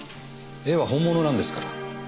絵は本物なんですから。